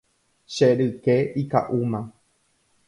Che ryke ika'úma.